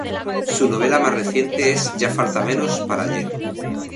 Su novela más reciente es "Ya falta menos para ayer".